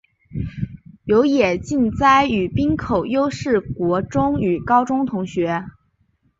有野晋哉与滨口优是国中与高中同学。